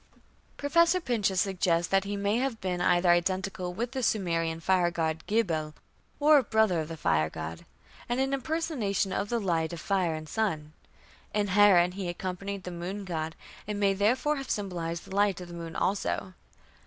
Professor Pinches suggests that he may have been either identical with the Sumerian fire god Gibil, or a brother of the fire god, and an impersonation of the light of fire and sun. In Haran he accompanied the moon god, and may, therefore, have symbolized the light of the moon also.